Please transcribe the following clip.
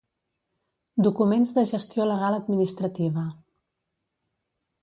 Documents de gestió legal administrativa.